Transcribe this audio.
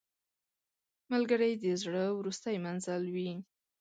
ملګری د زړه وروستی منزل وي